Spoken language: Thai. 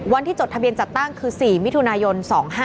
วันที่จดทะเบียนจัดตั้งคือ๔มิถุนายน๒๕๓๙